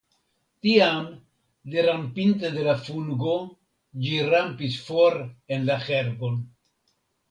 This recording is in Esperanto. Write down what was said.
Tiam, derampinte de la fungo, ĝi rampis for en la herbon.